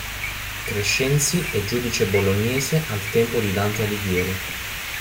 Crescenzi è giudice bolognese al tempo di Dante Alighieri.